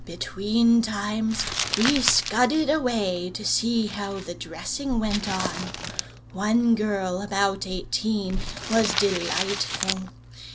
Between times we scudded away to see how the dressing went on. One girl about eighteen was delightful.